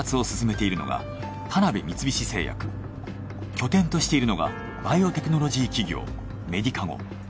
拠点としているのがバイオテクノロジー企業メディカゴ。